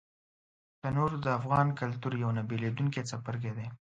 تنور د افغان کلتور یو نه بېلېدونکی څپرکی دی